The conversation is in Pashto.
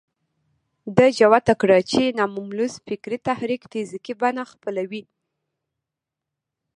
ده جوته کړه چې ناملموس فکري تحرک فزيکي بڼه خپلوي.